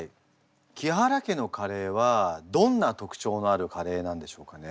木原家のカレーはどんな特徴のあるカレーなんでしょうかね。